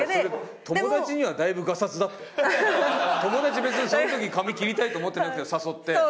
友達別にその時髪切りたいと思ってなくても誘って。